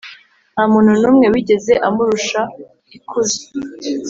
nta muntu n’umwe wigeze amurusha ikuzo.